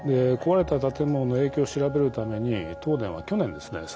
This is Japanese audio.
壊れた建物の影響を調べるために東電は去年ですね